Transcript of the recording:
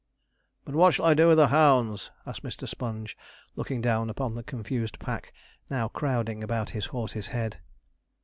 'But what shall I do with the hounds?' asked Mr. Sponge, looking down upon the confused pack, now crowding about his horse's head.